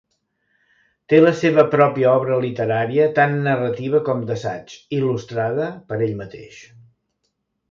Té la seva pròpia obra literària, tant narrativa com d'assaig, il·lustrada per ell mateix.